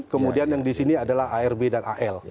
kemudian yang disini adalah arb dan al